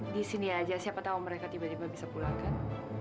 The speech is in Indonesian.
disini aja siapa tau mereka tiba tiba bisa pulangkan